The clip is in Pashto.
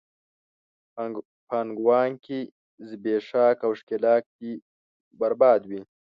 پانګواکي، زبېښاک او ښکېلاک دې برباد وي!